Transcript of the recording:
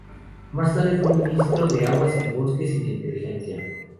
Más tarde fue ministro de Aguas y Bosques y de Inteligencia.